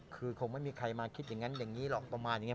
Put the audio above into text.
คือคงไม่มีใครมาคิดอย่างนั้นอย่างนี้หรอกประมาณอย่างนี้